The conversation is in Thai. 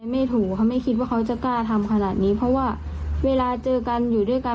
ไม่ถูกเขาไม่คิดว่าเขาจะกล้าทำขนาดนี้เพราะว่าเวลาเจอกันอยู่ด้วยกัน